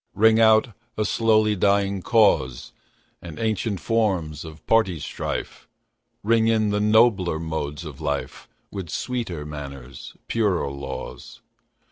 Ring out a slowly dying cause, And ancient forms of party strife; Ring in the nobler modes of life, With sweeter manners, purer laws.